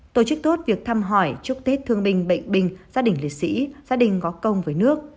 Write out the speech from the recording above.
tổ chức tốt việc thăm hỏi chúc tết thương bình bệnh bình gia đình lịch sĩ gia đình có công với nước